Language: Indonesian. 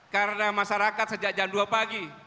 karena masyarakat sejak jam dua pagi